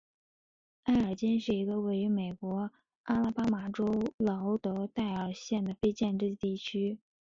埃尔金是一个位于美国阿拉巴马州劳德代尔县的非建制地区。